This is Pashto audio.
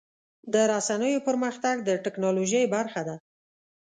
د رسنیو پرمختګ د ټکنالوژۍ برخه ده.